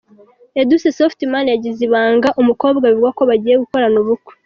Edouce Softman yagize ibanga umukobwa bivugwa ko bagiye gukorana ubukwe.